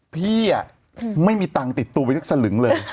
พี่ไม่มีตังค์ติดตัวไปสักสลึงเลย